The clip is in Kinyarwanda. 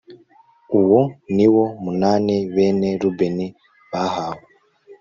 uwo ni wo munani bene rubeni bahawe